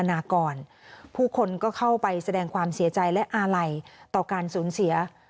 อะไรและอะไรต่อการสูญเสีย